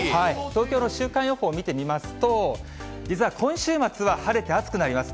東京の週間予報を見てみますと、実は今週末は晴れて暑くなります。